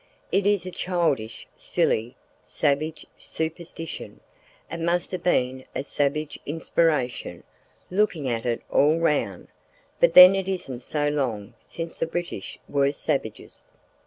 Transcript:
It is a childish, silly, savage superstition; it must have been a savage inspiration, looking at it all round—but then it isn't so long since the British were savages.